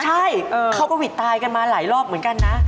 ใช่เขาก็หวิดตายกันมาหลายรอบเหมือนกันนะ